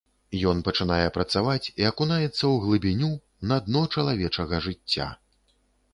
Ён пачынае працаваць і акунаецца ў глыбіню, на дно чалавечага жыцця.